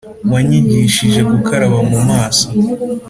wanyigishije gukaraba mu maso